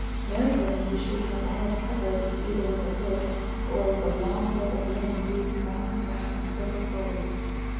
Married women usually had the head covered either with a hood or with a long web of linen wreathed round and round in several folds.